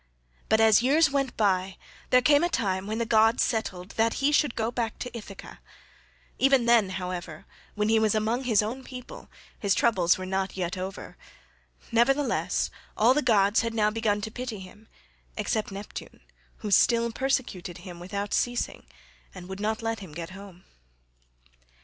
But as years went by, there came a time when the gods settled that he should go back to Ithaca; even then, however, when he was among his own people, his troubles were not yet over; nevertheless all the gods had now begun to pity him except Neptune, who still persecuted him without ceasing and would not let him get home.